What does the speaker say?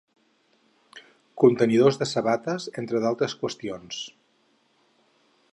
Contenidors de sabates, entre d'altres qüestions.